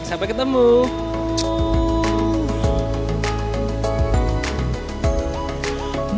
kalau mau jalan jangan lupa nge rem